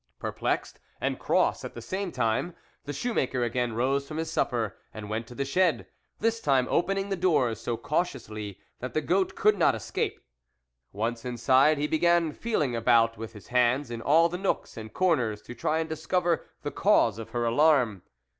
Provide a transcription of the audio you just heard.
Perplexed, and cross at the same time, the shoemaker again rose from his supper and went to the shed, this time opening the door so cautiously that the goat could not escape. Once inside he began feeling about with his hands in all the nooks and corners to try and discover the cause of her alarm.